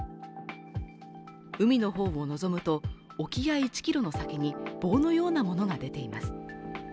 海の方を望むと、沖合１キロの先に棒のようなものが出ています。